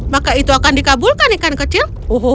maka itu akan dikabulkan ikan kecil